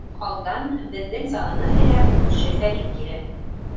Алдан, беҙҙең сананы һөйрәп, күрше Фәрит килә.